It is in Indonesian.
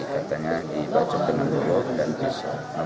katanya dibacok dengan bulu dan pisau